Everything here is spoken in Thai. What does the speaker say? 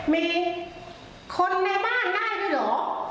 มีคนในบ้านได้ด้วยเหรอ